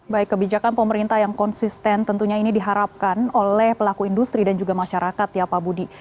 baik kebijakan pemerintah yang konsisten tentunya ini diharapkan oleh pelaku industri dan juga masyarakat ya pak budi